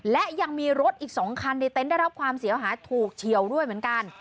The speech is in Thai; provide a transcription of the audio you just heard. และยังมีรถอีก๒คันในเต็นต์ได้รับความเสียหายถูกเฉียวด้วยเหมือนกัน